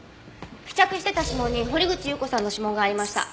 付着していた指紋に堀口裕子さんの指紋がありました。